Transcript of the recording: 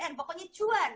eh pokoknya cuan